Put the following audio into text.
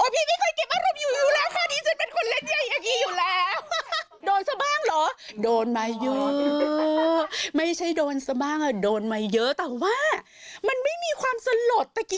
พี่ไม่เคยเก็บอารมณ์อยู่อยู่แล้วค่ะดิฉันเป็นคนเล่นเยอะอย่างอีกอยู่แล้ว